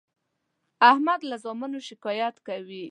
احمد له زامنو شکایت کوي.